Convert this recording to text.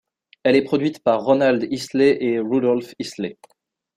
Elle est produite par Ronald Isley et Rudolph Isley.